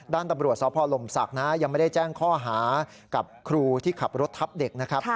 ด้านตำรวจสพลมศักดิ์นะยังไม่ได้แจ้งข้อหากับครูที่ขับรถทับเด็กนะครับ